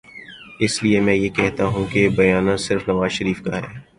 اس لیے میں یہ کہتا ہوں کہ بیانیہ صرف نوازشریف کا ہے۔